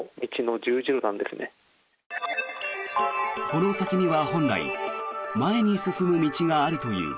この先には本来前に進む道があるという。